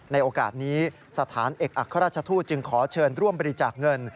ในโอกาสนี้สถานเอกอัครราชทูตจึงขอเชิญร่วมบริจาคเงิน